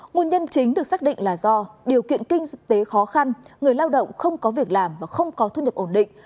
nguồn nhân chính được xác định là do điều kiện kinh tế khó khăn người lao động không có việc làm và không có thu nhập ổn định